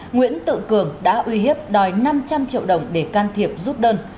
nguyễn tự cường đã uy hiếp đòi năm trăm linh triệu đồng để can thiệp giúp đơn